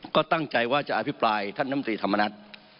ก็ตั้งใจว่าจะอธิบายท่านมตรีธรรมนัท